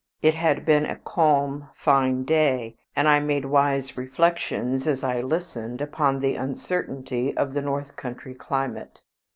It had been a calm, fine day, and I made wise reflections as I listened upon the uncertainty of the north country climate.